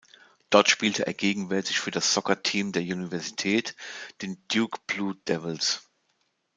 Dort spielt er gegenwärtig für das Soccer Team der Universität, den Duke Blue Devils.